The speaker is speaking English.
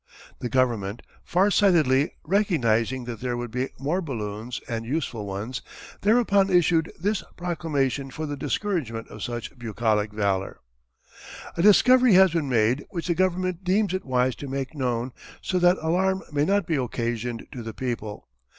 The government, far sightedly, recognizing that there would be more balloons and useful ones, thereupon issued this proclamation for the discouragement of such bucolic valour: A discovery has been made which the government deems it wise to make known so that alarm may not be occasioned to the people.